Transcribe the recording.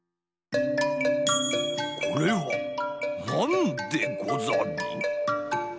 これはなんでござる？